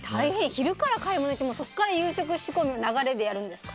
昼から買い物行ってもそこから夕食仕込むの流れでやるんですか？